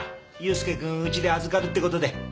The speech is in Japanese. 佑介君うちで預かるってことで。